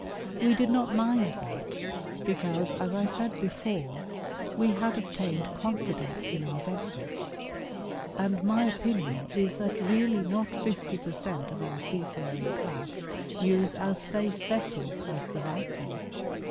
We did not mind that, because, as I said before, we had obtained confidence in our vessel, and my opinion is that really not fifty per cent of our seafaring class use as safe vessels as the Viking.